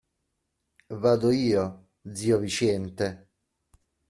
Vado io, zio Viciente.